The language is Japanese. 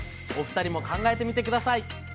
お二人も考えてみて下さい！